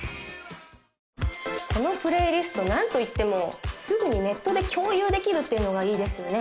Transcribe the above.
このプレイリストなんといってもすぐにネットで共有できるっていうのがいいですよね